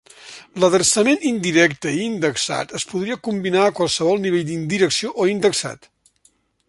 L'adreçament indirecte i indexat es podria combinar a qualsevol nivell d'indirecció o indexat.